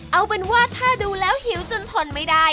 เอาเป็นว่าถ้าดูแล้วหิวจนทนไม่ได้